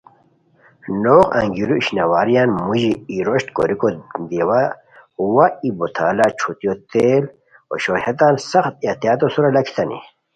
نوغ انگیرو اشناواریان موژی ای روشت کوریکو دیوا وا ای بوتالہ ݯھوتیو تیل اوشوئے ہیتان سخت احتیاطو سورا لاکھیتانی